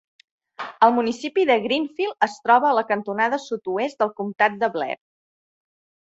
El municipi de Greenfield es troba a la cantonada sud-oest del comptat de Blair.